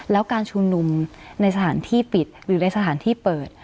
แล้วการชุมนุมในสถานที่ปิดหรือในสถานที่เปิด